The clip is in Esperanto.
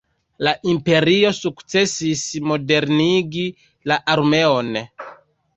La Imperio sukcesis modernigi la armeon.